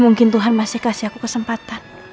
mungkin tuhan masih kasih aku kesempatan